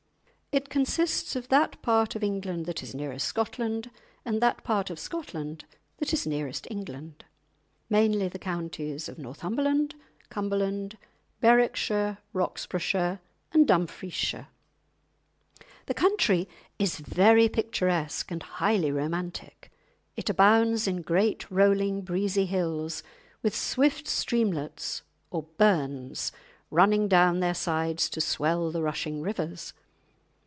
It consists of that part of England that is nearest Scotland, and that part of Scotland that is nearest England, mainly the counties of Northumberland, Cumberland, Berwickshire, Roxburghshire, and Dumfriesshire. The country is very picturesque and highly romantic. It abounds in great rolling, breezy hills, with swift streamlets or "burns" running down their sides to swell the rushing rivers.